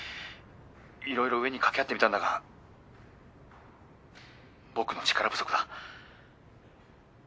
いろいろ上に掛け合ってみたんだが僕の力不足だ。